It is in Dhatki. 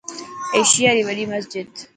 ايشياري وڏي مسجد.